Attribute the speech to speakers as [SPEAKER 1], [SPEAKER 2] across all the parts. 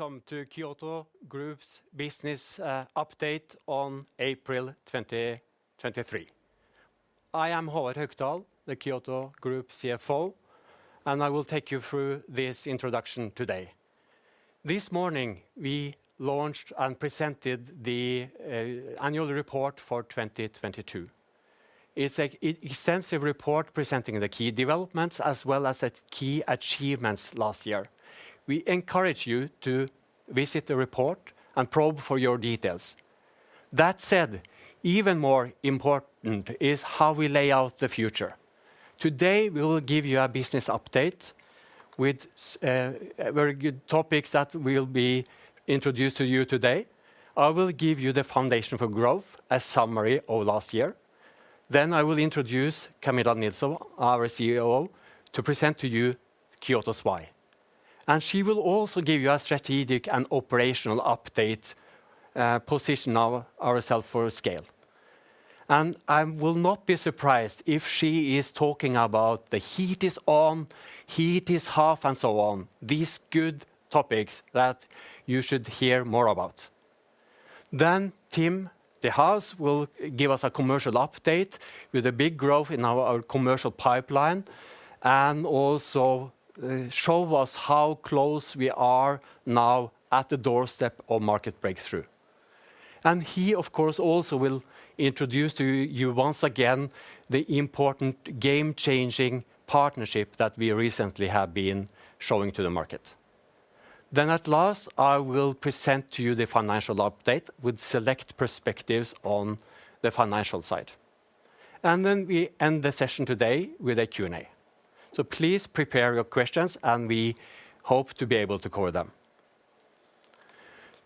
[SPEAKER 1] Welcome to Kyoto Group's business update on April 2023. I am Håvard Haukdal, the Kyoto Group CFO, and I will take you through this introduction today. This morning, we launched and presented the annual report for 2022. It's a extensive report presenting the key developments as well as the key achievements last year. We encourage you to visit the report and probe for your details. That said, even more important is how we lay out the future. Today, we will give you a business update with very good topics that will be introduced to you today. I will give you the foundation for growth, a summary of last year, then I will introduce Camilla Nilsson, our CEO, to present to you Kyoto's why. She will also give you a strategic and operational update, position ourself for scale. I will not be surprised if she is talking about the heat is on, heat is half, and so on, these good topics that you should hear more about. Tim de Haas will give us a commercial update with the big growth in our commercial pipeline, and also show us how close we are now at the doorstep of market breakthrough. He, of course, also will introduce to you once again the important game-changing partnership that we recently have been showing to the market. At last, I will present to you the financial update with select perspectives on the financial side. We end the session today with a Q&A. Please prepare your questions, and we hope to be able to cover them.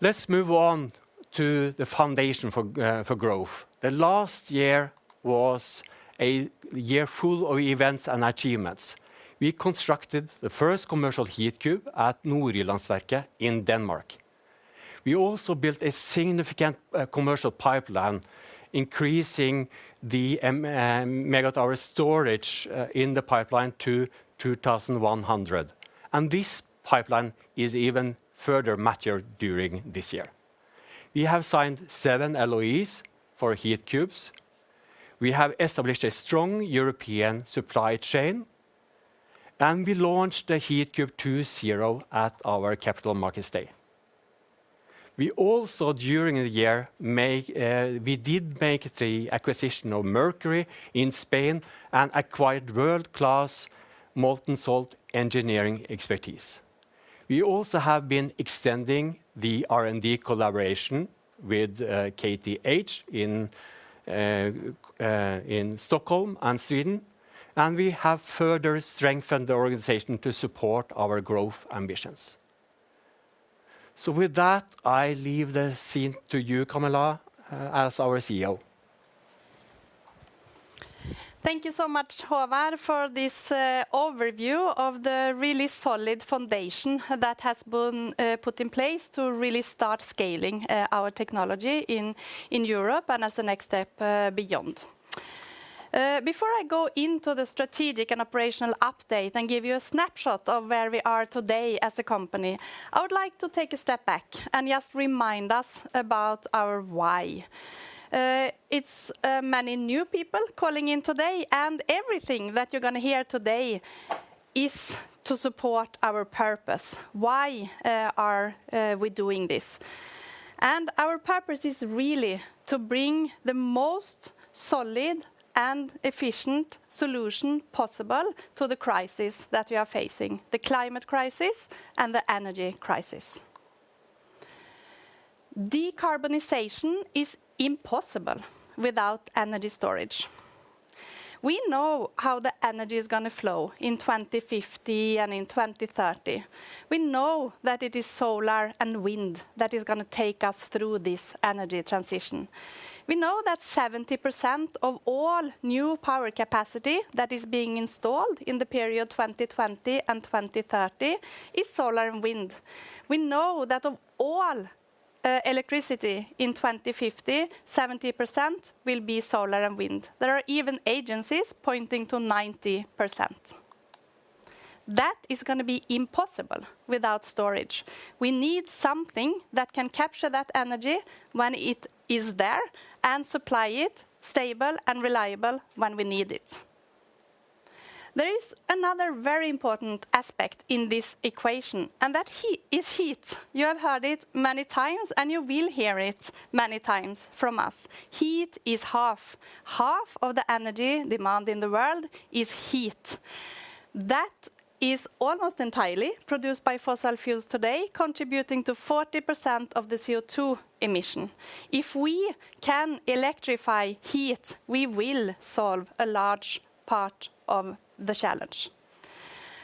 [SPEAKER 1] Let's move on to the foundation for growth. The last year was a year full of events and achievements. We constructed the first commercial Heatcube at Nordjyllandsværket in Denmark. We also built a significant commercial pipeline, increasing the MWh storage in the pipeline to 2,100. This pipeline is even further matured during this year. We have signed seven LOEs for Heatcubes. We have established a strong European supply chain. We launched the Heatcube 2.0 at our Capital Markets Day. We also, during the year, we did make the acquisition of Mercury in Spain and acquired world-class molten salt engineering expertise. We also have been extending the R&D collaboration with KTH in Stockholm and Sweden. We have further strengthened the organization to support our growth ambitions. With that, I leave the scene to you, Camilla, as our CEO.
[SPEAKER 2] Thank you so much, Håvard, for this overview of the really solid foundation that has been put in place to really start scaling our technology in Europe and as a next step beyond. Before I go into the strategic and operational update and give you a snapshot of where we are today as a company, I would like to take a step back and just remind us about our why. It's many new people calling in today, and everything that you're gonna hear today is to support our purpose. Why are we doing this? Our purpose is really to bring the most solid and efficient solution possible to the crisis that we are facing, the climate crisis and the energy crisis. Decarbonization is impossible without energy storage. We know how the energy is going to flow in 2050 and in 2030. We know that it is solar and wind that is going to take us through this energy transition. We know that 70% of all new power capacity that is being installed in the period 2020 and 2030 is solar and wind. We know that of all electricity in 2050, 70% will be solar and wind. There are even agencies pointing to 90%. That is going to be impossible without storage. We need something that can capture that energy when it is there and supply it stable and reliable when we need it. There is another very important aspect in this equation, and that is heat. You have heard it many times, and you will hear it many times from us. Heat is half. Half of the energy demand in the world is heat. That is almost entirely produced by fossil fuels today, contributing to 40% of the CO₂ emission. If we can electrify heat, we will solve a large part of the challenge.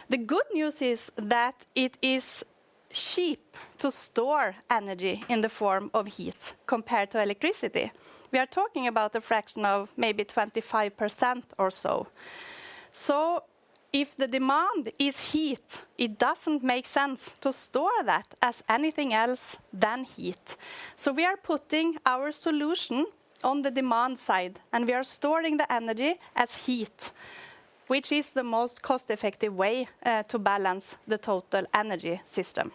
[SPEAKER 2] The good news is that it is cheap to store energy in the form of heat compared to electricity. We are talking about a fraction of maybe 25% or so. If the demand is heat, it doesn't make sense to store that as anything else than heat. We are putting our solution on the demand side, and we are storing the energy as heat. Which is the most cost-effective way to balance the total energy system.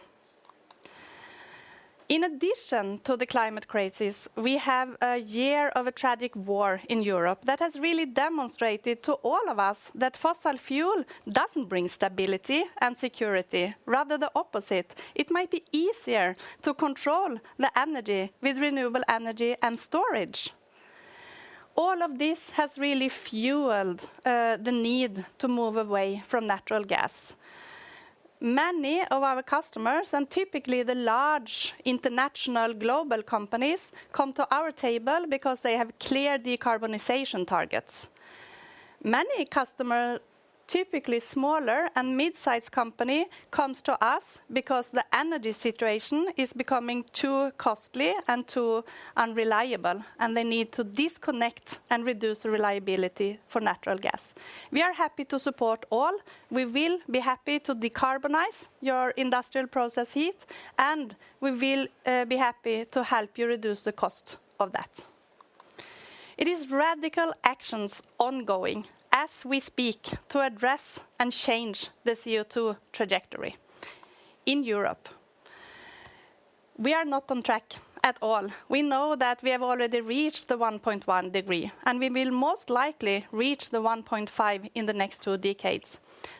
[SPEAKER 2] In addition to the climate crisis, we have a year of a tragic war in Europe that has really demonstrated to all of us that fossil fuel doesn't bring stability and security, rather the opposite. It might be easier to control the energy with renewable energy and storage. All of this has really fueled the need to move away from natural gas. Many of our customers, and typically the large international global companies, come to our table because they have clear decarbonization targets. Many customer, typically smaller and mid-size company, comes to us because the energy situation is becoming too costly and too unreliable, and they need to disconnect and reduce reliability for natural gas. We are happy to support all. We will be happy to decarbonize your industrial process heat, and we will be happy to help you reduce the cost of that. It is radical actions ongoing as we speak to address and change the CO₂ trajectory in Europe. We are not on track at all. We know that we have already reached the 1.1 degree, and we will most likely reach the 1.5 in the next two decades.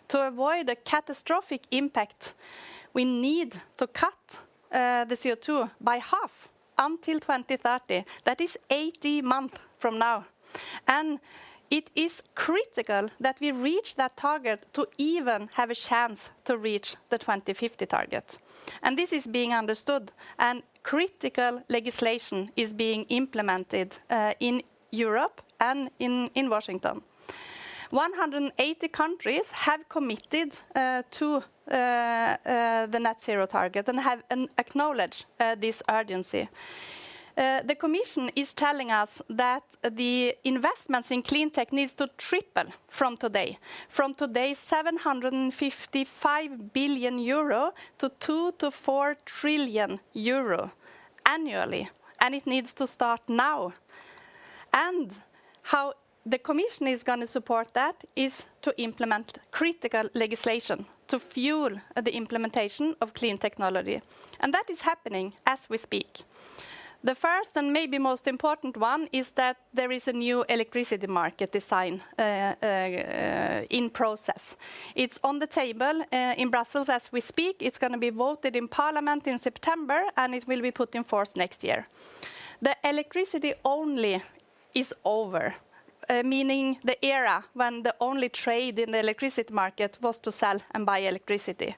[SPEAKER 2] To avoid a catastrophic impact, we need to cut the CO₂ by half until 2030. That is 80 month from now. It is critical that we reach that target to even have a chance to reach the 2050 target. This is being understood, and critical legislation is being implemented in Europe and in Washington. 180 countries have committed to the net zero target and have acknowledged this urgency. The commission is telling us that the investments in clean tech needs to triple from today. From today, 755 billion-2 trillion euro-EUR 4 trillion annually, and it needs to start now. How the commission is gonna support that is to implement critical legislation to fuel the implementation of clean technology, and that is happening as we speak. The first and maybe most important one is that there is a new electricity market design in process. It's on the table in Brussels as we speak. It's gonna be voted in parliament in September, and it will be put in force next year. The electricity only is over, meaning the era when the only trade in the electricity market was to sell and buy electricity.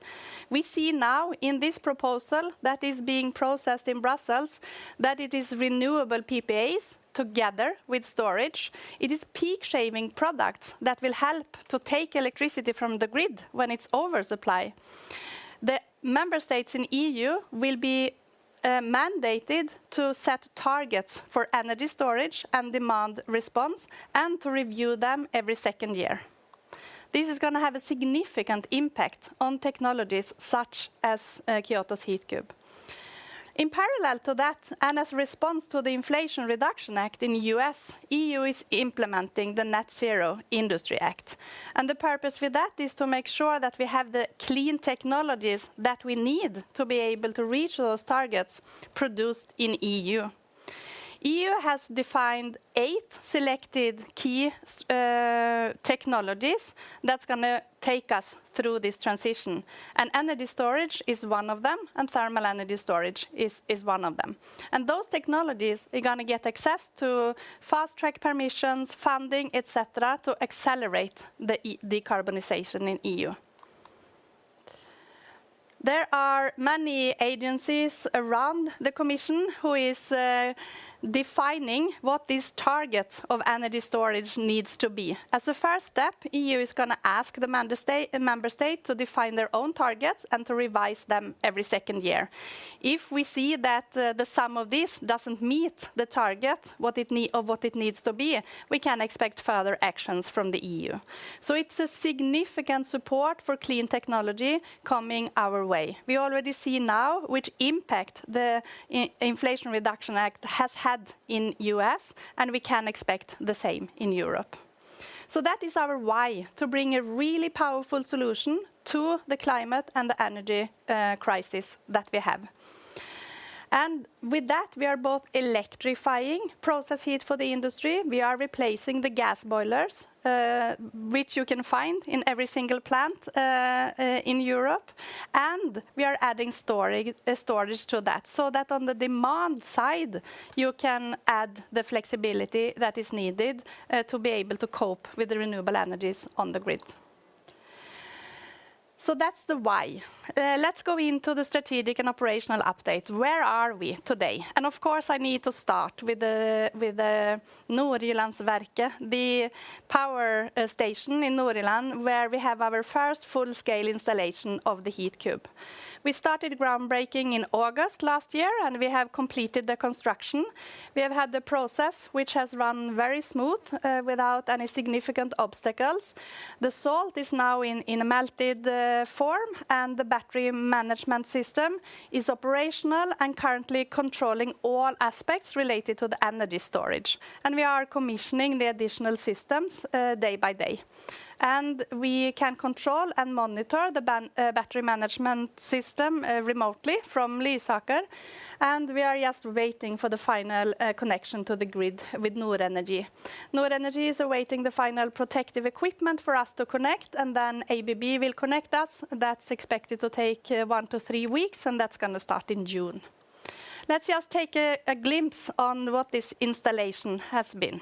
[SPEAKER 2] We see now in this proposal that is being processed in Brussels that it is renewable PPAs together with storage. It is peak shaving products that will help to take electricity from the grid when it's over supply. The member states in EU will be mandated to set targets for energy storage and demand response and to review them every second year. This is gonna have a significant impact on technologies such as Kyoto Group's Heatcube. In parallel to that, as a response to the Inflation Reduction Act in U.S., EU is implementing the Net-Zero Industry Act. The purpose with that is to make sure that we have the clean technologies that we need to be able to reach those targets produced in EU. EU has defined eight selected key technologies that's gonna take us through this transition, energy storage is one of them, and thermal energy storage is one of them. Those technologies are gonna get access to fast-track permissions, funding, et cetera, to accelerate the decarbonization in EU. There are many agencies around the commission who is defining what these targets of energy storage needs to be. As a first step, EU is gonna ask a member state to define their own targets and to revise them every second year. If we see that the sum of this doesn't meet the target, of what it needs to be, we can expect further actions from the EU. It's a significant support for clean technology coming our way. We already see now which impact the Inflation Reduction Act has had in U.S., and we can expect the same in Europe. That is our why to bring a really powerful solution to the climate and the energy crisis that we have. With that, we are both electrifying process heat for the industry. We are replacing the gas boilers, which you can find in every single plant in Europe. We are adding storage to that, so that on the demand side, you can add the flexibility that is needed to be able to cope with the renewable energies on the grid. That's the why. Let's go into the strategic and operational update. Where are we today? Of course, I need to start with the Nordjyllandsværket, the power station in Nordjylland, where we have our first full-scale installation of the Heatcube. We started groundbreaking in August last year, and we have completed the construction. We have had the process, which has run very smooth, without any significant obstacles. The salt is now in a melted form, and the battery management system is operational and currently controlling all aspects related to the energy storage. We are commissioning the additional systems day by day. We can control and monitor the battery management system remotely from Lysaker, and we are just waiting for the final connection to the grid with Nord Energi. Nord Energi is awaiting the final protective equipment for us to connect, and then ABB will connect us. That's expected to take one to three weeks, and that's gonna start in June. Let's just take a glimpse on what this installation has been.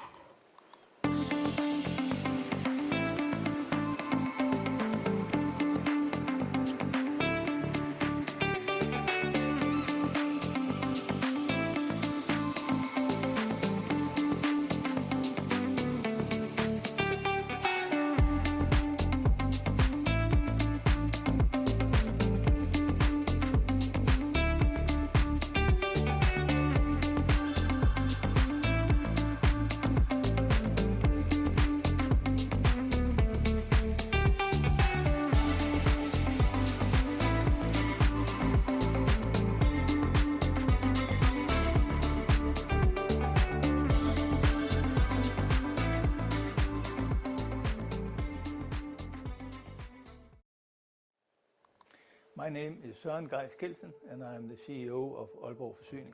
[SPEAKER 3] My name is Søren Gais Kjeldsen, I'm the CEO of Aalborg Forsyning.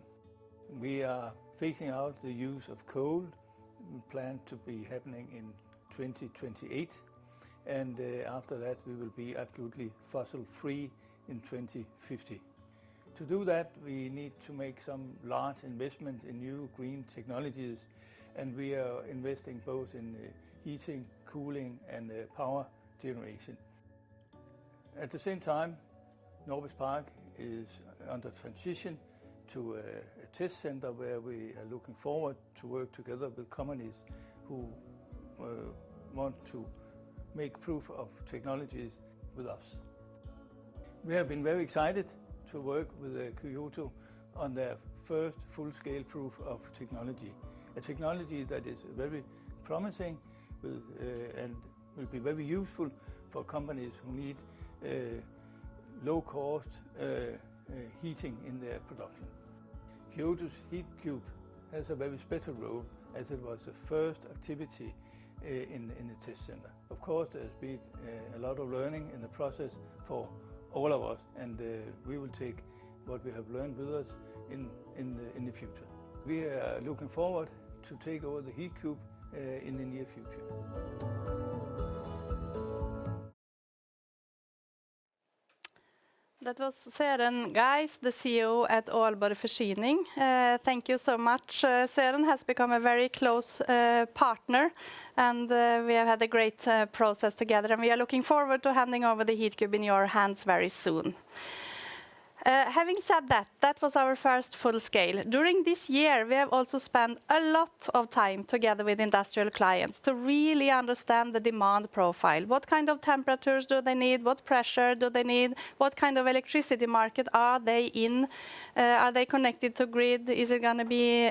[SPEAKER 3] We are phasing out the use of coal, we plan to be happening in 2028, after that we will be absolutely fossil-free in 2050. To do that, we need to make some large investment in new green technologies, we are investing both in heating, cooling, and power generation. At the same time, Norbis Park is under transition to a test center where we are looking forward to work together with companies who want to make proof of technologies with us. We have been very excited to work with Kyoto on their first full-scale proof of technology. A technology that is very promising with and will be very useful for companies who need low cost heating in their production. Kyoto's Heatcube has a very special role, as it was the first activity in the test center. Of course, there's been a lot of learning in the process for all of us and we will take what we have learned with us in the future. We are looking forward to take over the Heatcube in the near future.
[SPEAKER 2] That was Søren Gais, the CEO at Aalborg Forsyning. Thank you so much. Søren has become a very close partner, and we have had a great process together, and we are looking forward to handing over the Heatcube in your hands very soon. Having said that was our first full scale. During this year, we have also spent a lot of time together with industrial clients to really understand the demand profile. What kind of temperatures do they need? What pressure do they need? What kind of electricity market are they in? Are they connected to grid? Is it gonna be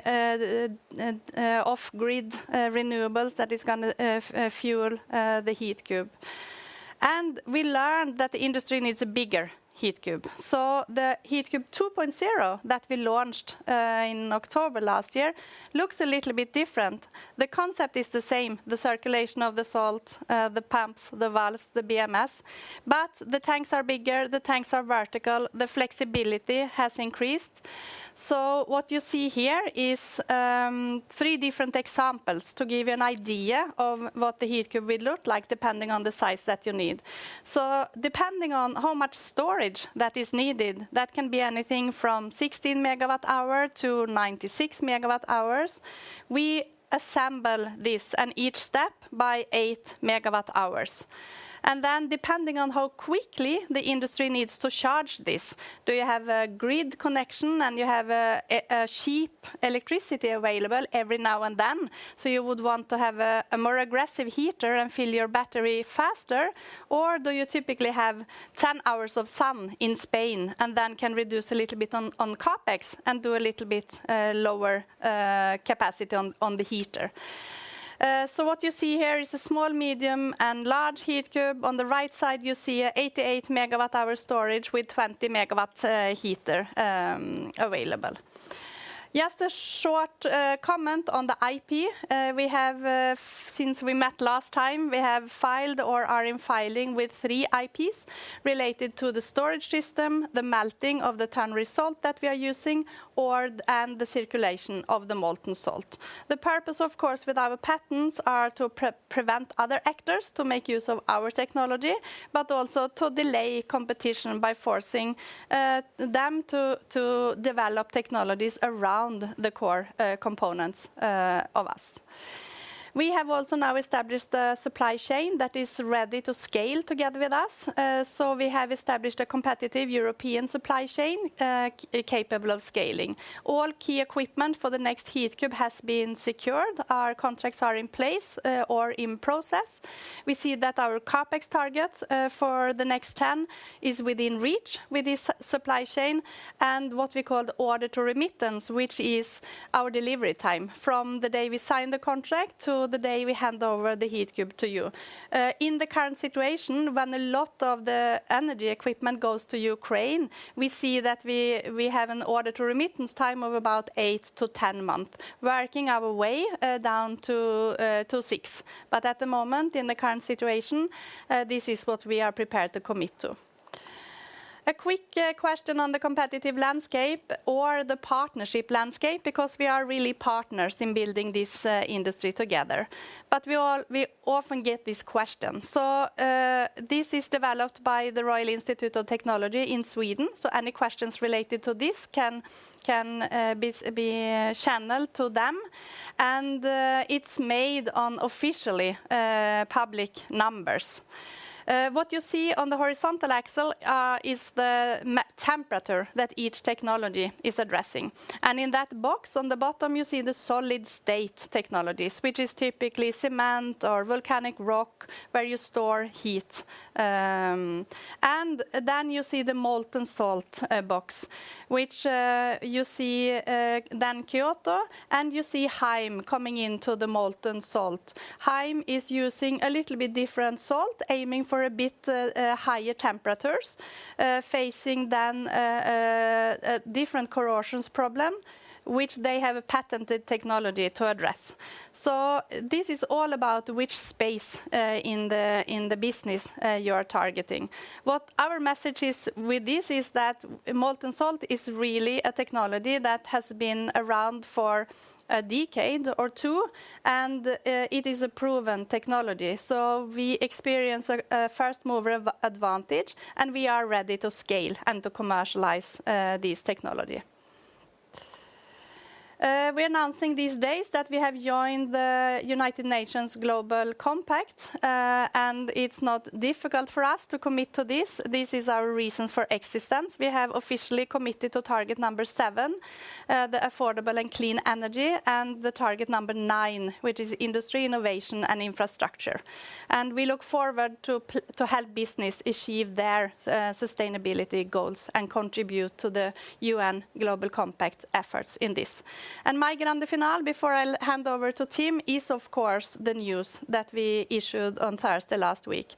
[SPEAKER 2] off grid renewables that is gonna fuel the Heatcube? We learned that the industry needs a bigger Heatcube. The Heatcube 2.0 that we launched in October last year, looks a little bit different. The concept is the same, the circulation of the salt, the pumps, the valves, the BMS, but the tanks are bigger, the tanks are vertical, the flexibility has increased. What you see here is three different examples to give you an idea of what the Heatcube will look like depending on the size that you need. Depending on how much storage that is needed, that can be anything from 16 MWh-96 MWh. We assemble this and each step by 8 MWh. Depending on how quickly the industry needs to charge this, do you have a grid connection and you have a cheap electricity available every now and then, so you would want to have a more aggressive heater and fill your battery faster? Do you typically have 10 hours of sun in Spain and then can reduce a little bit on CapEx and do a little bit lower capacity on the heater? What you see here is a small, medium, and large Heatcube. On the right side, you see a 88 MWh storage with 20 MW heater available. Just a short comment on the IP. We have, since we met last time, we have filed or are in filing with three IPs related to the storage system, the melting of the ternary salt that we are using, or, and the circulation of the molten salt. The purpose, of course, with our patents are to prevent other actors to make use of our technology, but also to delay competition by forcing them to develop technologies around the core components of us. We have also now established the supply chain that is ready to scale together with us. We have established a competitive European supply chain capable of scaling. All key equipment for the next Heatcube has been secured. Our contracts are in place or in process. We see that our CapEx targets for the next 10 is within reach with this supply chain and what we call the Order to Remittance, which is our delivery time from the day we sign the contract to the day we hand over the Heatcube to you. In the current situation, when a lot of the energy equipment goes to Ukraine, we have an Order to Remittance time of about eight to 10 months, working our way down to six. At the moment, in the current situation, this is what we are prepared to commit to. A quick question on the competitive landscape or the partnership landscape, because we are really partners in building this industry together. We often get this question. This is developed by the Royal Institute of Technology in Sweden, so any questions related to this can be channeled to them. It's made on officially public numbers. What you see on the horizontal axle is the temperature that each technology is addressing. And in that box on the bottom, you see the solid state technologies, which is typically cement or volcanic rock where you store heat. Then you see the molten salt box, which you see then Kyoto, and you see Hyme coming into the molten salt. Hyme is using a little bit different salt, aiming for a bit higher temperatures, facing then a different corrosions problem, which they have a patented technology to address. This is all about which space in the business you are targeting. What our message is with this is that molten salt is really a technology that has been around for a decade or two, and it is a proven technology. We experience a first mover advantage, and we are ready to scale and to commercialize this technology. We are announcing these days that we have joined the United Nations Global Compact, and it's not difficult for us to commit to this. This is our reasons for existence. We have officially committed to target number seven, the affordable and clean energy, and the target number nine, which is industry, innovation, and infrastructure. We look forward to help business achieve their sustainability goals and contribute to the UN Global Compact efforts in this. My grand finale before I'll hand over to Tim is, of course, the news that we issued on Thursday last week,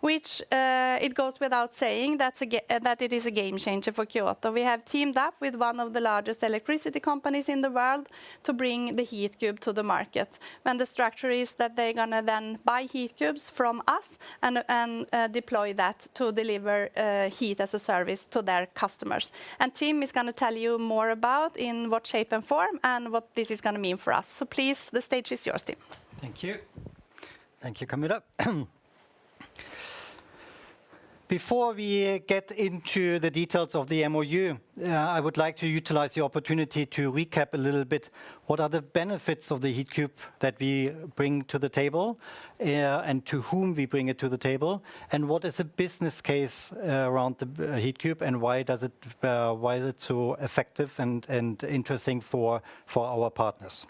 [SPEAKER 2] which it goes without saying that it is a game changer for Kyoto. We have teamed up with one of the largest electricity companies in the world to bring the Heatcube to the market. The structure is that they're gonna then buy Heatcubes from us and deploy that to deliver Heat-as-a-Service to their customers. Tim is gonna tell you more about in what shape and form and what this is gonna mean for us. Please, the stage is yours, Tim.
[SPEAKER 4] Thank you. Thank you, Camilla. Before we get into the details of the MOU, I would like to utilize the opportunity to recap a little bit what are the benefits of the Heatcube that we bring to the table, and to whom we bring it to the table, and what is the business case around the Heatcube and why does it, why is it so effective and interesting for our partners.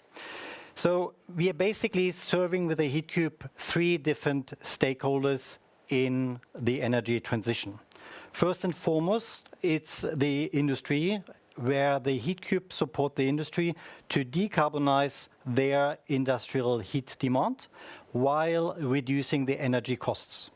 [SPEAKER 4] We are basically serving with the Heatcube three different stakeholders in the energy transition. First and foremost, it's the industry where the Heatcube support the industry to decarbonize their industrial heat demand while reducing the energy costs.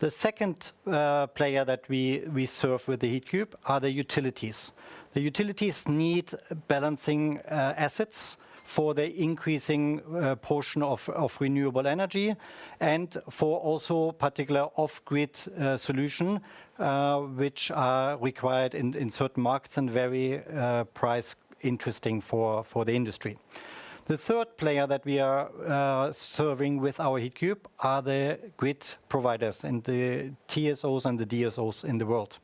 [SPEAKER 4] The second player that we serve with the Heatcube are the utilities. The utilities need balancing assets for the increasing portion of renewable energy and for also particular off-grid solution, which are required in certain markets and very price interesting for the industry. The third player that we are serving with our Heatcube are the grid providers and the TSOs and the DSOs in the world.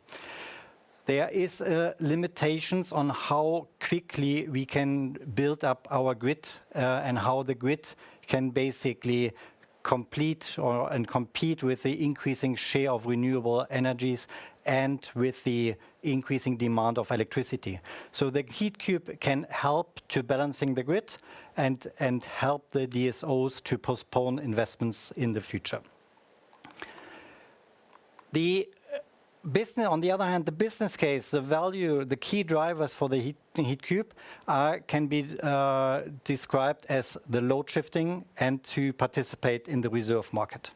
[SPEAKER 4] There is limitations on how quickly we can build up our grid and how the grid can basically complete or compete with the increasing share of renewable energies and with the increasing demand of electricity. The Heatcube can help to balancing the grid and help the DSOs to postpone investments in the future. On the other hand, the business case, the value, the key drivers for the Heatcube can be described as the load shifting and to participate in the reserve market.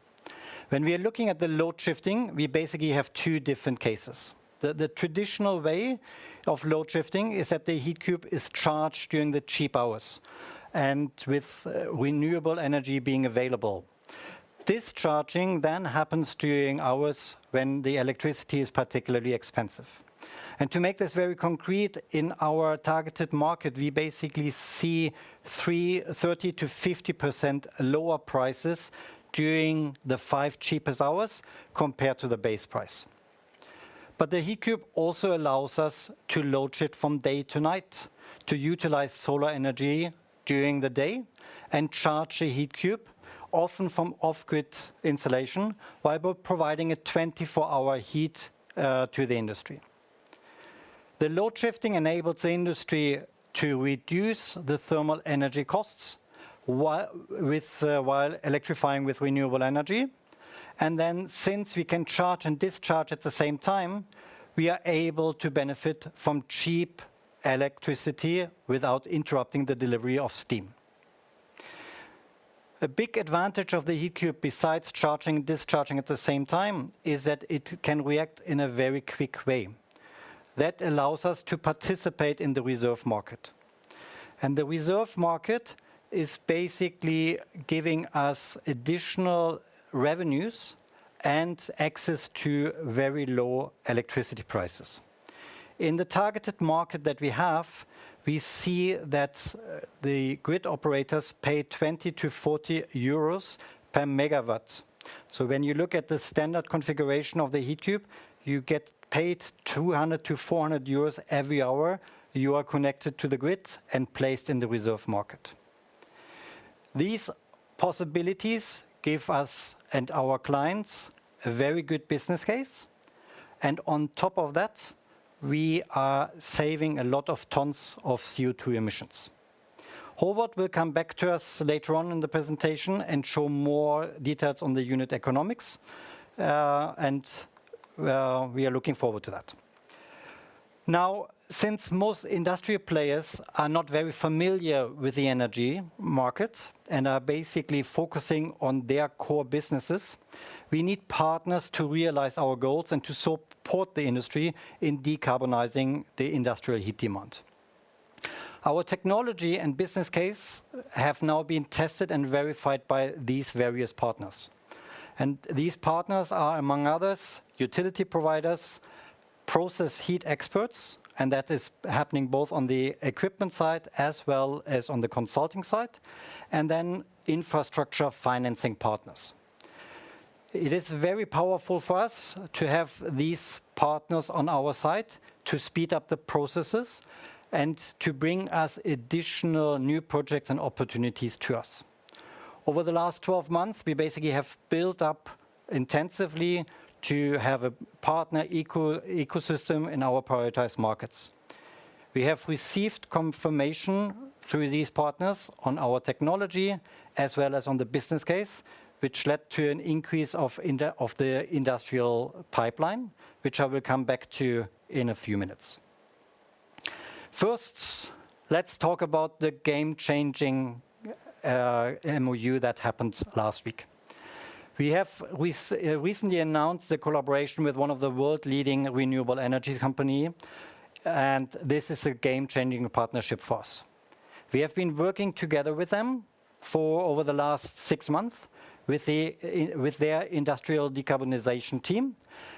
[SPEAKER 4] When we are looking at the load shifting, we basically have two different cases. The traditional way of load shifting is that the Heatcube is charged during the cheap hours and with renewable energy being available. Discharging then happens during hours when the electricity is particularly expensive. To make this very concrete, in our targeted market, we basically see 30%-50% lower prices during the five cheapest hours compared to the base price. The Heatcube also allows us to load shift from day to night, to utilize solar energy during the day and charge the Heatcube, often from off-grid insulation, while providing a 24-hour heat to the industry. The load shifting enables the industry to reduce the thermal energy costs with while electrifying with renewable energy. Since we can charge and discharge at the same time, we are able to benefit from cheap electricity without interrupting the delivery of steam. A big advantage of the Heatcube, besides charging and discharging at the same time, is that it can react in a very quick way. That allows us to participate in the reserve market. The reserve market is basically giving us additional revenues and access to very low electricity prices. In the targeted market that we have, we see that the grid operators pay 20-40 euros per MW. When you look at the standard configuration of the Heatcube, you get paid 200- 400 euros every hour you are connected to the grid and placed in the reserve market. These possibilities give us and our clients a very good business case, and on top of that, we are saving a lot of tons of CO₂ emissions. Håvard will come back to us later on in the presentation and show more details on the unit economics, and, well, we are looking forward to that. Since most industrial players are not very familiar with the energy market and are basically focusing on their core businesses, we need partners to realize our goals and to support the industry in decarbonizing the industrial heat demand. Our technology and business case have now been tested and verified by these various partners. These partners are, among others, utility providers, process heat experts, and that is happening both on the equipment side as well as on the consulting side, and then infrastructure financing partners. It is very powerful for us to have these partners on our side to speed up the processes and to bring us additional new projects and opportunities to us. Over the last 12 months, we basically have built up intensively to have a partner ecosystem in our prioritized markets. We have received confirmation through these partners on our technology as well as on the business case, which led to an increase of the industrial pipeline, which I will come back to in a few minutes. First, let's talk about the game-changing MOU that happened last week. We have recently announced a collaboration with one of the world-leading renewable energy company. This is a game-changing partnership for us. We have been working together with them for over the last six months with their industrial decarbonization team.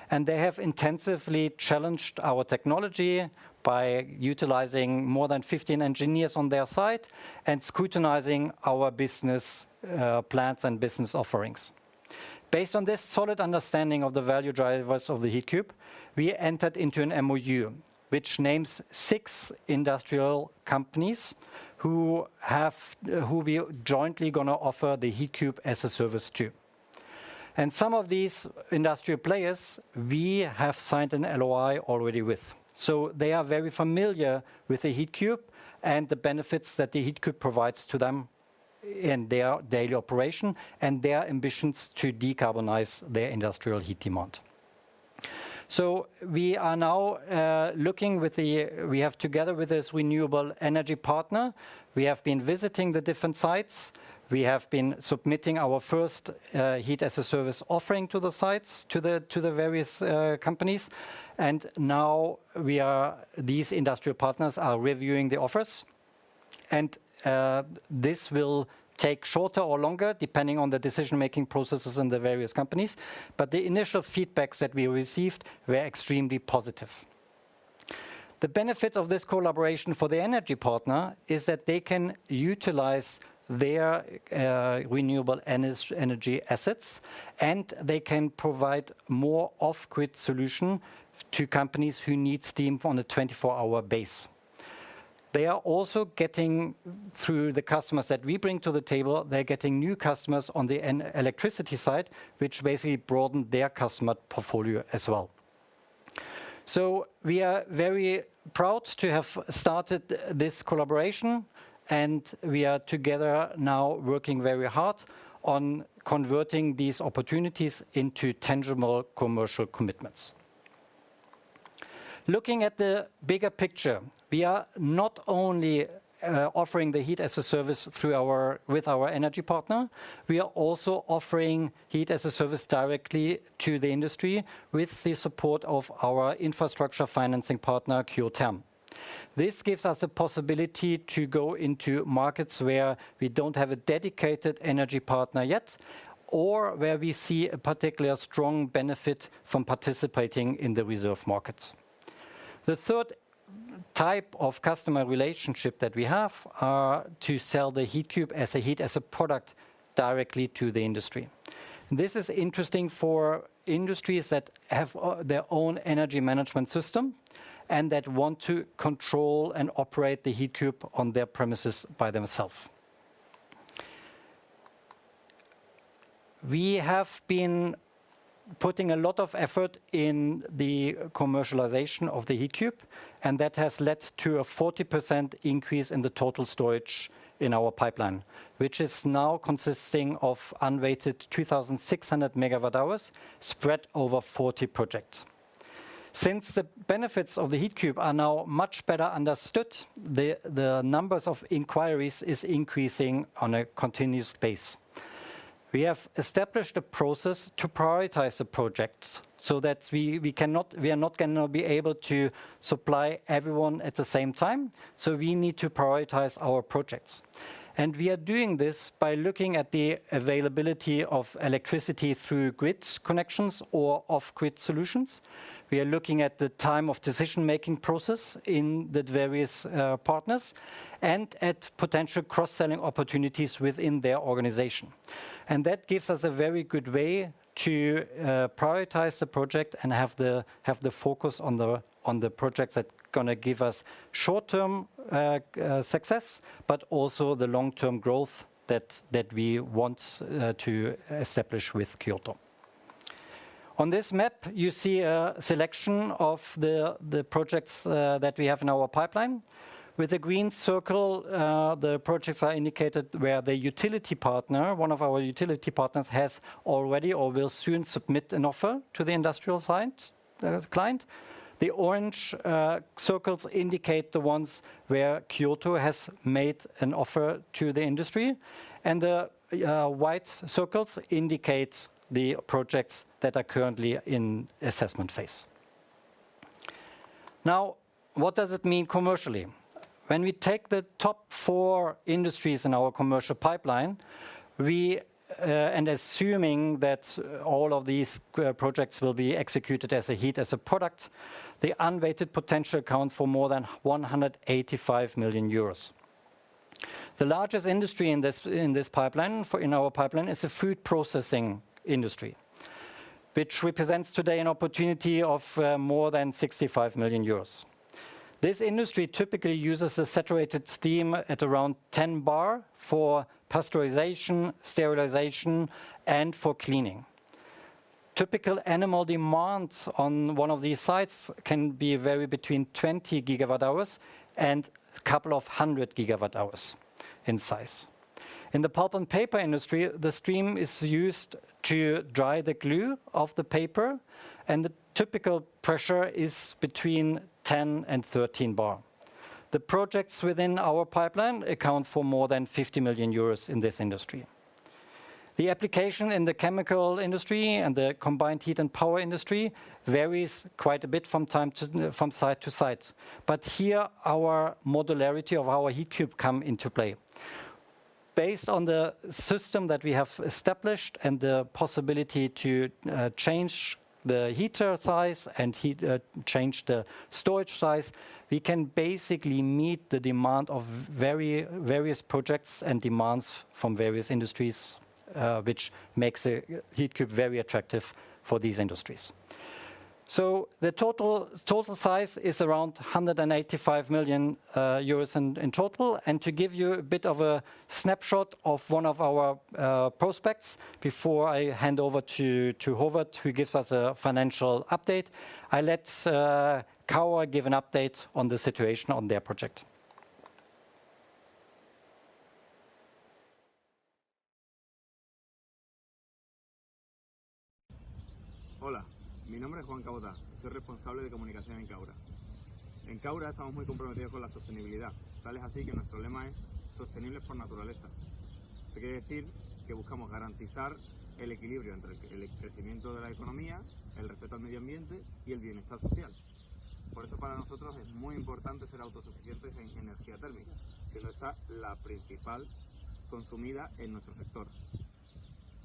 [SPEAKER 4] They have intensively challenged our technology by utilizing more than 15 engineers on their side and scrutinizing our business plans and business offerings. Based on this solid understanding of the value drivers of the Heatcube, we entered into an MOU which names six industrial companies who we jointly gonna offer the Heatcube as a service to. Some of these industrial players, we have signed an LOI already with. They are very familiar with the Heatcube and the benefits that the Heatcube provides to them in their daily operation and their ambitions to decarbonize their industrial heat demand. We are now, we have together with this renewable energy partner, we have been visiting the different sites. We have been submitting our first Heat-as-a-Service offering to the sites, to the various companies. Now these industrial partners are reviewing the offers. This will take shorter or longer, depending on the decision-making processes in the various companies. The initial feedbacks that we received were extremely positive. The benefit of this collaboration for the energy partner is that they can utilize their renewable energy assets, and they can provide more off-grid solution to companies who need steam on a 24-hour base. They are also getting, through the customers that we bring to the table, they're getting new customers on the electricity side, which basically broaden their customer portfolio as well. We are very proud to have started this collaboration, and we are together now working very hard on converting these opportunities into tangible commercial commitments. Looking at the bigger picture, we are not only offering the Heat-as-a-Service through our, with our energy partner, we are also offering Heat-as-a-Service directly to the industry with the support of our infrastructure financing partner, Kyotherm. This gives us a possibility to go into markets where we don't have a dedicated energy partner yet or where we see a particularly strong benefit from participating in the reserve markets. The third type of customer relationship that we have are to sell the Heatcube as a heat, as a product directly to the industry. This is interesting for industries that have their own energy management system and that want to control and operate the Heatcube on their premises by themself. We have been putting a lot of effort in the commercialization of the Heatcube, and that has led to a 40% increase in the total storage in our pipeline, which is now consisting of unrated 2,600 MWh spread over 40 projects. Since the benefits of the Heatcube are now much better understood, the numbers of inquiries is increasing on a continuous base. We have established a process to prioritize the projects so that we are not gonna be able to supply everyone at the same time, so we need to prioritize our projects. We are doing this by looking at the availability of electricity through grid connections or off-grid solutions. We are looking at the time of decision-making process in the various partners, and at potential cross-selling opportunities within their organization. That gives us a very good way to prioritize the project and have the focus on the projects that gonna give us short-term success, but also the long-term growth that we want to establish with Kyoto. On this map, you see a selection of the projects that we have in our pipeline. With the green circle, the projects are indicated where the utility partner, one of our utility partners, has already or will soon submit an offer to the industrial site client. The orange circles indicate the ones where Kyoto has made an offer to the industry, and the white circles indicate the projects that are currently in assessment phase. What does it mean commercially? When we take the top four industries in our commercial pipeline, we and assuming that all of these projects will be executed as a heat, as a product, the unweighted potential accounts for more than 185 million euros. The largest industry in this pipeline, in our pipeline, is the food processing industry, which represents today an opportunity of more than 65 million euros. This industry typically uses a saturated steam at around 10 bar for pasteurization, sterilization, and for cleaning. Typical annual demands on one of these sites can vary between 20 GWh and a couple of hundred GWh in size. In the pulp and paper industry, the stream is used to dry the glue of the paper, and the typical pressure is between 10 and 13 bar. The projects within our pipeline account for more than 50 million euros in this industry. The application in the chemical industry and the combined heat and power industry varies quite a bit from site to site. Here, our modularity of our Heatcube come into play. Based on the system that we have established and the possibility to change the heater size and change the storage size, we can basically meet the demand of various projects and demands from various industries, which makes the Heatcube very attractive for these industries. The total size is around 185 million euros in total. To give you a bit of a snapshot of one of our prospects before I hand over to Håvard, who gives us a financial update, I let Kaura give an update on the situation on their project.
[SPEAKER 5] Hola. Mi nombre es Juan Caboto. Soy responsable de comunicación en Kaura. En Kaura estamos muy comprometidos con la sostenibilidad. Tal es así que nuestro lema es "Sostenibles por naturaleza". Esto quiere decir que buscamos garantizar el equilibrio entre el crecimiento de la economía, el respeto al medio ambiente y el bienestar social. Por eso para nosotros es muy importante ser autosuficientes en anergia térmica, siendo esta la principal consumida en nuestro sector.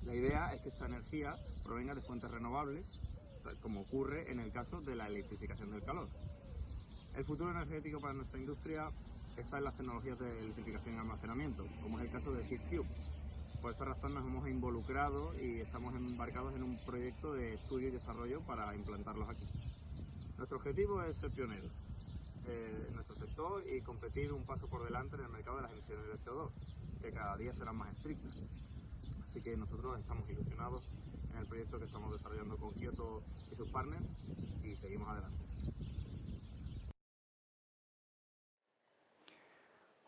[SPEAKER 5] La idea es que esta energía provenga de fuentes renovables, tal como ocurre en el caso de la electrificación del calor. El futuro energético para nuestra industria está en las tecnologías de electrificación y almacenamiento, como es el caso de Heatcube. Por esta razón nos hemos involucrado y estamos embarcados en un proyecto de estudio y desarrollo para implantarlos aquí. Nuestro objetivo es ser pioneros en nuestro sector y competir un paso por delante en el mercado de las emisiones de CO₂, que cada día serán más estrictas. Así que nosotros estamos ilusionados en el proyecto que estamos desarrollando con Kyoto y sus partners y seguimos adelante.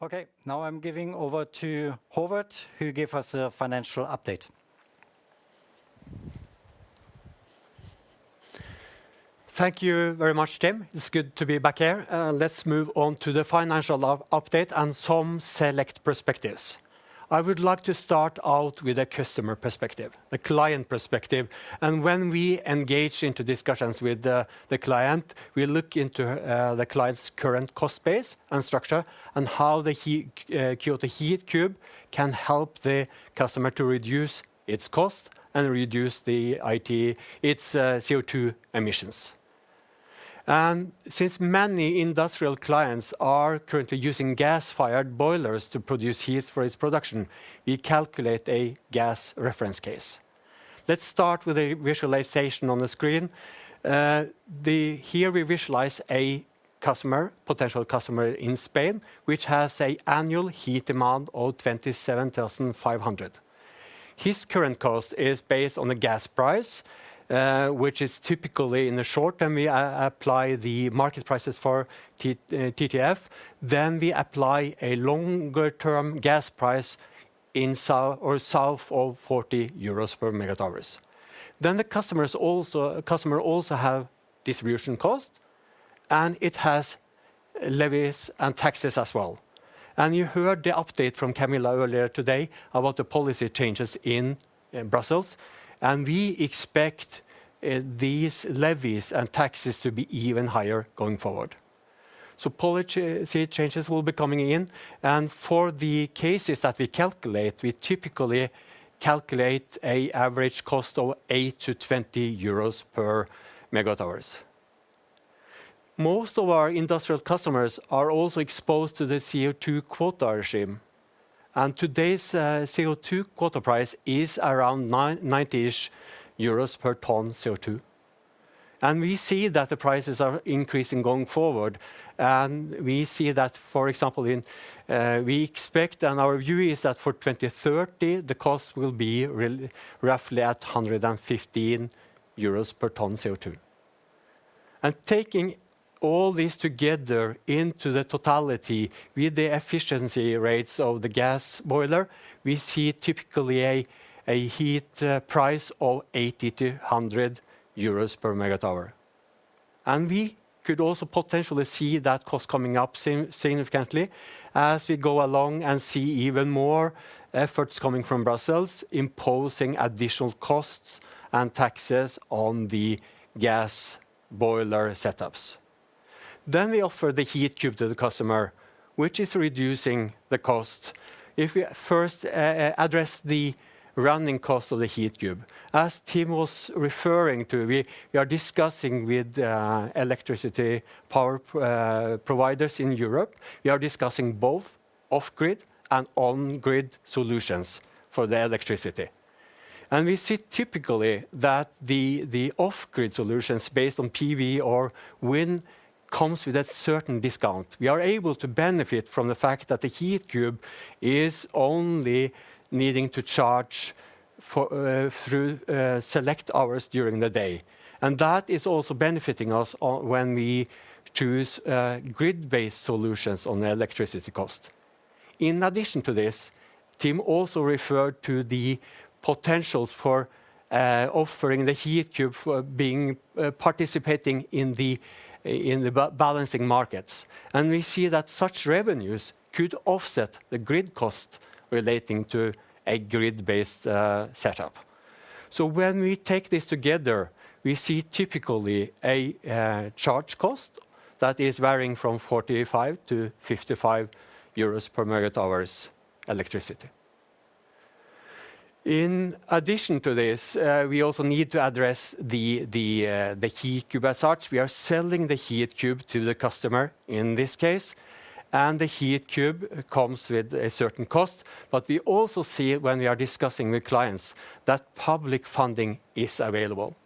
[SPEAKER 4] Okay. Now I'm giving over to Håvard, who give us a financial update.
[SPEAKER 1] Thank you very much, Tim. It's good to be back here. Let's move on to the financial update and some select perspectives. I would like to start out with a customer perspective, the client perspective. When we engage into discussions with the client, we look into the client's current cost base and structure and how the Kyoto Heatcube can help the customer to reduce its cost and reduce its CO₂ emissions. Since many industrial clients are currently using gas-fired boilers to produce heat for its production, we calculate a gas reference case. Let's start with a visualization on the screen. Here we visualize a customer, potential customer in Spain, which has a annual heat demand of 27,500. His current cost is based on the gas price, which is typically in the short. We apply the market prices for TTF. We apply a longer-term gas price in south of 40 euros per MWh. The customer also have distribution cost. It has levies and taxes as well. You heard the update from Camilla earlier today about the policy changes in Brussels, and we expect these levies and taxes to be even higher going forward. Policy changes will be coming in, and for the cases that we calculate, we typically calculate a average cost of 8-20 euros per MWh. Most of our industrial customers are also exposed to the CO₂ quota regime, and today's CO₂ quota price is around 90-ish euros per ton CO₂. We see that the prices are increasing going forward, and we see that, for example, in, we expect and our view is that for 2030, the cost will be roughly at 115 euros per ton CO₂. Taking all this together into the totality with the efficiency rates of the gas boiler, we see typically a heat price of 80- 100 euros per MWh. We could also potentially see that cost coming up significantly as we go along and see even more efforts coming from Brussels imposing additional costs and taxes on the gas boiler setups. We offer the Heatcube to the customer, which is reducing the cost. If we first address the running cost of the Heatcube, as Tim was referring to, we are discussing with electricity power providers in Europe, we are discussing both off-grid and on-grid solutions for the electricity. We see typically that the off-grid solutions based on PV or wind comes with a certain discount. We are able to benefit from the fact that the Heatcube is only needing to charge for through select hours during the day, and that is also benefiting us on when we choose grid-based solutions on the electricity cost. In addition to this, Tim also referred to the potentials for offering the Heatcube for being participating in the balancing markets, we see that such revenues could offset the grid cost relating to a grid-based setup. When we take this together, we see typically a charge cost that is varying from 45-55 euros per MWh electricity. In addition to this, we also need to address the Heatcube as such. We are selling the Heatcube to the customer in this case, and the Heatcube comes with a certain cost. We also see when we are discussing with clients that public funding is available.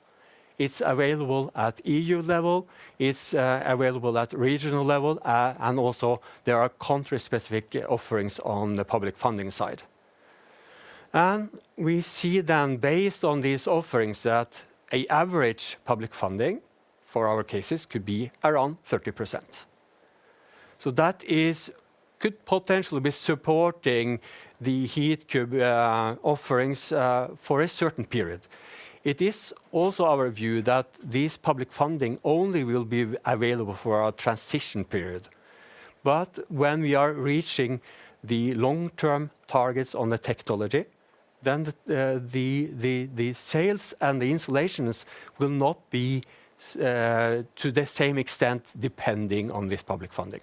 [SPEAKER 1] It's available at EU level, it's available at regional level, and also there are country-specific offerings on the public funding side. We see then based on these offerings that an average public funding for our cases could be around 30%. That is could potentially be supporting the Heatcube offerings for a certain period. It is also our view that this public funding only will be available for a transition period. When we are reaching the long-term targets on the technology, then the sales and the installations will not be to the same extent depending on this public funding.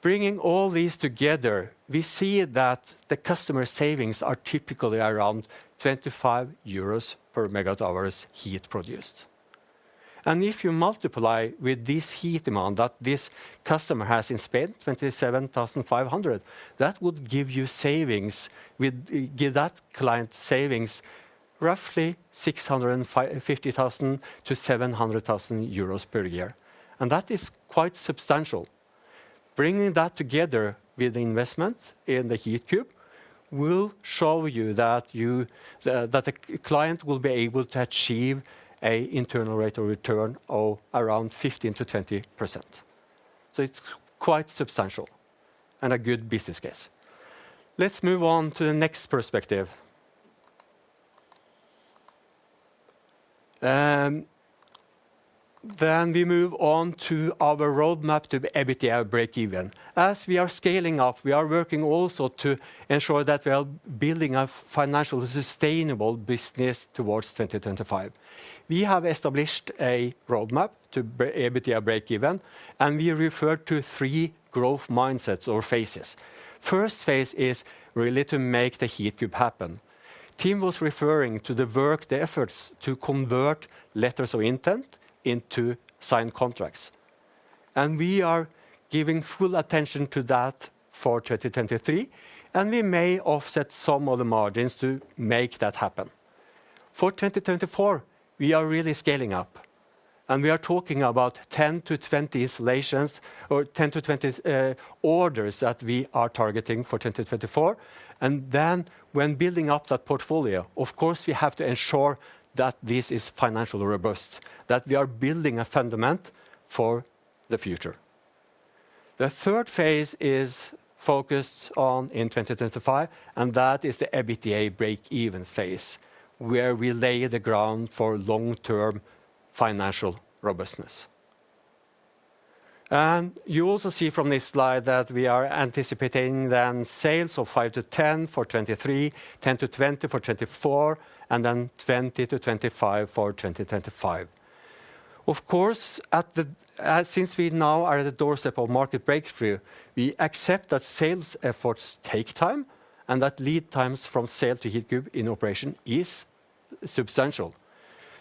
[SPEAKER 1] Bringing all this together, we see that the customer savings are typically around 25 euros per MWh heat produced. If you multiply with this heat demand that this customer has in Spain, 27,500, that would give that client savings roughly 650,000-700,000 euros per year, and that is quite substantial. Bringing that together with investment in the Heatcube will show you that you, that the client will be able to achieve a internal rate of return of around 15%-20%. It's quite substantial and a good business case. We move on to our roadmap to EBITDA break even. As we are scaling up, we are working also to ensure that we are building a financial sustainable business towards 2025. We have established a roadmap to EBITDA break even, and we refer to three growth mindsets or phases. First phase is really to make the Heatcube happen. Tim was referring to the work, the efforts to convert letters of intent into signed contracts, and we are giving full attention to that for 2023, and we may offset some of the margins to make that happen. For 2024, we are really scaling up, we are talking about 10-20 installations or 10-20 orders that we are targeting for 2024. When building up that portfolio, of course, we have to ensure that this is financially robust, that we are building a fundament for the future. The third phase is focused on in 2025, and that is the EBITDA breakeven phase, where we lay the ground for long-term financial robustness. You also see from this slide that we are anticipating then sales of five to 10 for 2023, 10-20 for 2024, and then 20-25 for 2025. Of course, since we now are at the doorstep of market breakthrough, we accept that sales efforts take time and that lead times from sale to Heatcube in operation is substantial.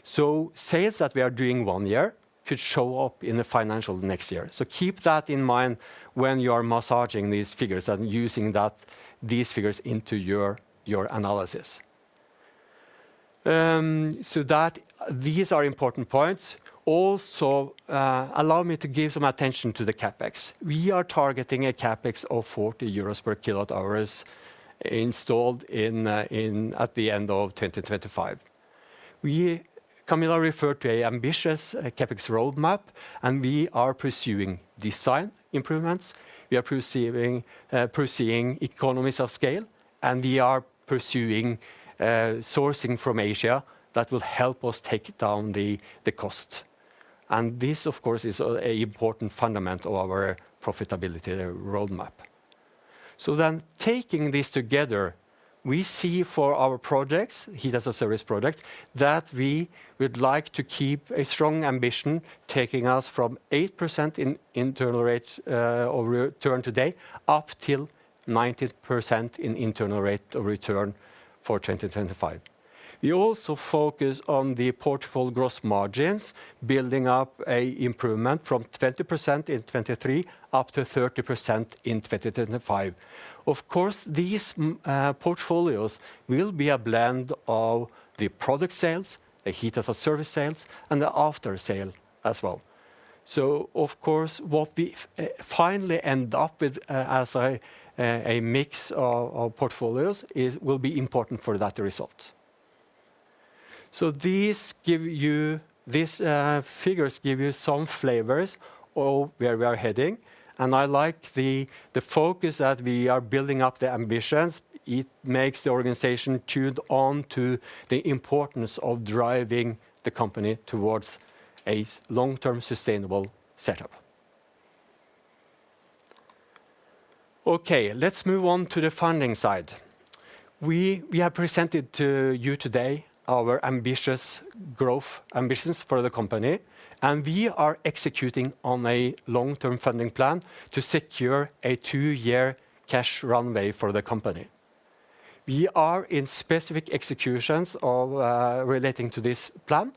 [SPEAKER 1] Sales that we are doing one year could show up in the financial next year. Keep that in mind when you are massaging these figures and using these figures into your analysis. These are important points. Also, allow me to give some attention to the CapEx. We are targeting a CapEx of 40 euros per kWh installed at the end of 2025. Camilla referred to an ambitious CapEx roadmap, we are pursuing design improvements, we are pursuing economies of scale, we are pursuing sourcing from Asia that will help us take down the cost. This, of course, is an important fundament of our profitability roadmap. Taking this together, we see for our projects, Heat-as-a-Service project, that we would like to keep a strong ambition, taking us from 8% in internal rate or return today, up till 90% in internal rate of return for 2025. We also focus on the portfolio gross margins, building up a improvement from 20% in 2023 up to 30% in 2025. Of course, these portfolios will be a blend of the product sales, the Heat-as-a-Service sales, and the aftersale as well. Of course, what we finally end up with as a mix of portfolios will be important for that result. These figures give you some flavors of where we are heading, and I like the focus that we are building up the ambitions. It makes the organization tuned on to the importance of driving the company towards a long-term sustainable setup. Let's move on to the funding side. We have presented to you today our ambitious growth ambitions for the company, and we are executing on a long-term funding plan to secure a two-year cash runway for the company. We are in specific executions of relating to this plan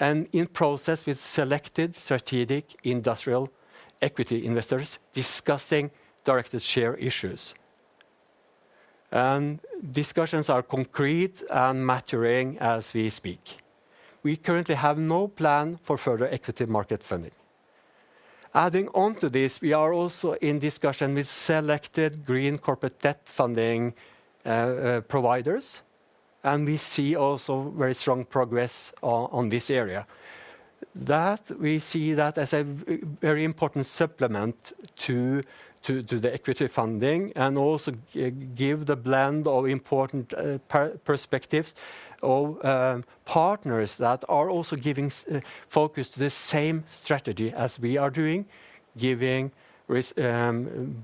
[SPEAKER 1] and in process with selected strategic industrial equity investors discussing directed share issues. Discussions are concrete and maturing as we speak. We currently have no plan for further equity market funding. Adding on to this, we are also in discussion with selected green corporate debt funding providers, and we see also very strong progress on this area. That, we see that as a very important supplement to the equity funding and also give the blend of important perspective of partners that are also giving focus to the same strategy as we are doing,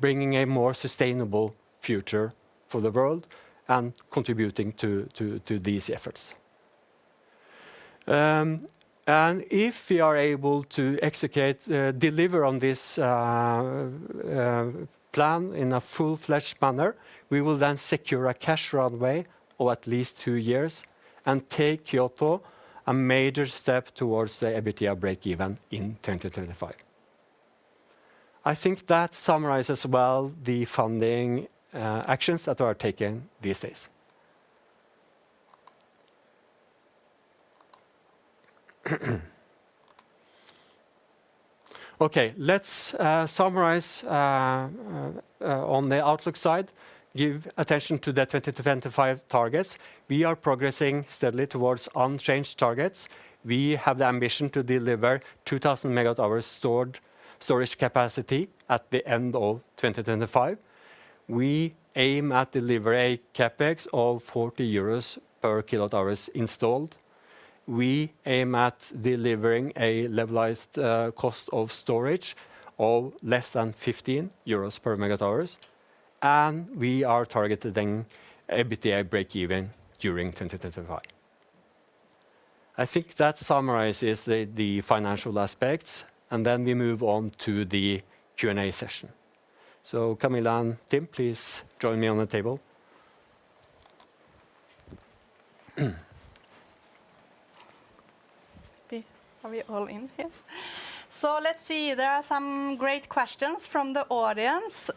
[SPEAKER 1] bringing a more sustainable future for the world and contributing to these efforts. If we are able to execute deliver on this plan in a full-fledged manner, we will then secure a cash runway of at least two years and take Kyoto a major step towards the EBITDA breakeven in 2025. That summarizes well the funding actions that are taken these days. Okay, let's summarize on the outlook side, give attention to the 2025 targets. We are progressing steadily towards unchanged targets. We have the ambition to deliver 2,000 MWh storage capacity at the end of 2025. We aim at delivering a CapEx of 40 euros per kWh installed. We aim at delivering a levelized cost of storage of less than 15 euros per MWh, and we are targeting EBITDA breakeven during 2025. I think that summarizes the financial aspects, and then we move on to the Q&A session. Camilla and Tim, please join me on the table.
[SPEAKER 2] Are we all in? Yes. Let's see. There are some great questions from the audience.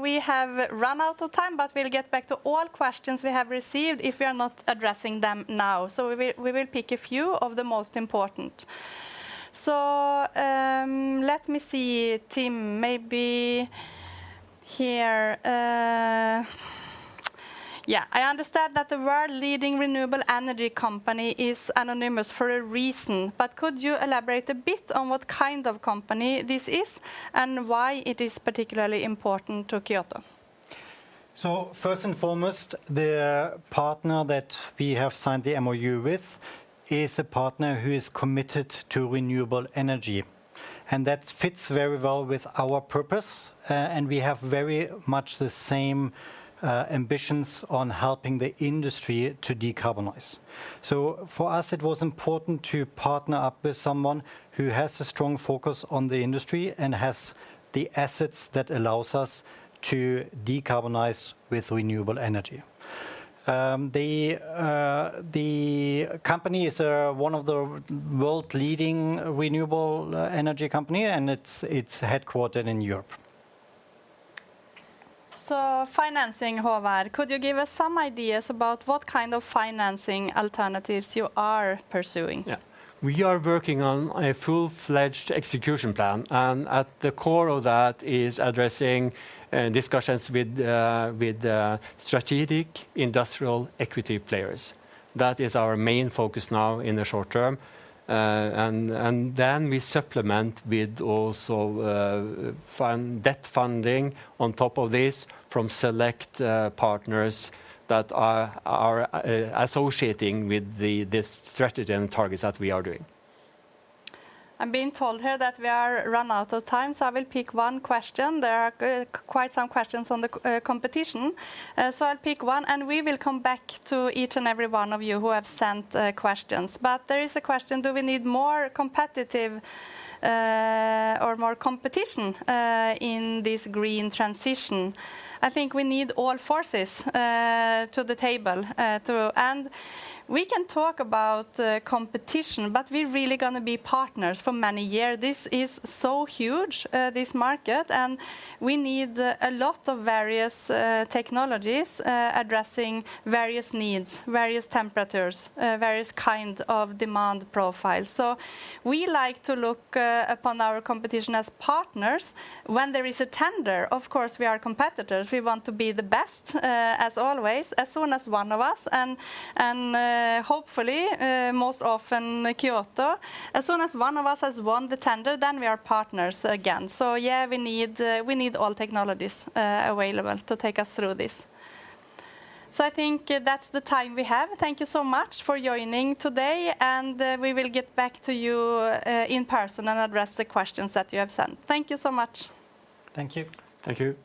[SPEAKER 2] We have run out of time, but we'll get back to all questions we have received if we are not addressing them now. We will pick a few of the most important. Let me see, Tim. Yeah, I understand that the world-leading renewable energy company is anonymous for a reason, but could you elaborate a bit on what kind of company this is and why it is particularly important to Kyoto?
[SPEAKER 4] First and foremost, the partner that we have signed the MOU with is a partner who is committed to renewable energy, and that fits very well with our purpose. We have very much the same ambitions on helping the industry to decarbonize. For us, it was important to partner up with someone who has a strong focus on the industry and has the assets that allows us to decarbonize with renewable energy. The company is one of the world leading renewable energy company, and it's headquartered in Europe.
[SPEAKER 2] Financing, Håvard, could you give us some ideas about what kind of financing alternatives you are pursuing?
[SPEAKER 1] Yeah. We are working on a full-fledged execution plan. At the core of that is addressing discussions with strategic industrial equity players. That is our main focus now in the short term. Then we supplement with also debt funding on top of this from select partners that are associating with this strategy and targets that we are doing.
[SPEAKER 2] I'm being told here that we are run out of time. I will pick one question. There are quite some questions on the competition. I'll pick one and we will come back to each and every one of you who have sent questions. There is a question, do we need more competitive or more competition in this green transition? I think we need all forces to the table. We can talk about competition, we're really gonna be partners for many year. This is so huge, this market. We need a lot of various technologies addressing various needs, various temperatures, various kind of demand profiles. We like to look upon our competition as partners. When there is a tender, of course, we are competitors. We want to be the best, as always, as soon as one of us, and hopefully, most often Kyoto. As soon as one of us has won the tender, then we are partners again. Yeah, we need all technologies, available to take us through this. I think that's the time we have. Thank you so much for joining today, and we will get back to you in person and address the questions that you have sent. Thank you so much.
[SPEAKER 4] Thank you.
[SPEAKER 1] Thank you.